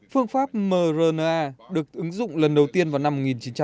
phương pháp mrna được ứng dụng lần đầu tiên vào năm một nghìn chín trăm bảy mươi